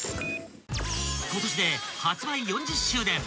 ［今年で発売４０周年］